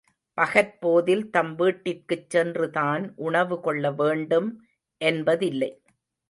பகற்போதில் தம் வீட்டிற்குச் சென்றுதான் உணவு கொள்ள வேண்டும் என்பதில்லை.